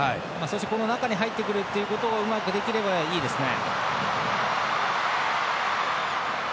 この中に入ってくるということをうまくできればいいですね。